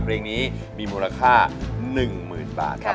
เพลงนี้มีมูลค่า๑๐๐๐บาทครับ